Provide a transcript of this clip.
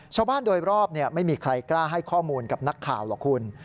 ชาวบ้านโดยรอบไม่มีใครกล้าให้ข้อมูลกับนักข่าวหรอกคุณ